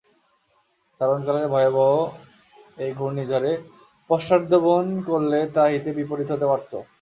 স্মরণকালের ভয়াবহ এ ঘূর্ণিঝড়ে পশ্চাদ্ধাবন করলে তা হিতে বিপরীত হতে পারত।